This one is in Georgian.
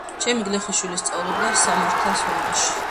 ჩეხი გლეხის შვილი, სწავლობდა სამართალს ვენაში.